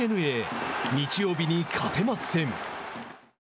日曜日に勝てません。